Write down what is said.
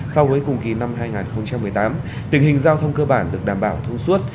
so với cùng kỳ năm hai nghìn một mươi tám tình hình giao thông cơ bản được đảm bảo thông suốt